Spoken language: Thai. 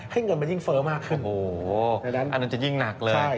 ให้เงินมันยิ่งเฟ้อมากขึ้นอันนั้นจะยิ่งหนักเลย